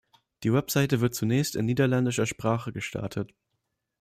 Die Webseite wird zunächst in niederländischer Sprache gestartet.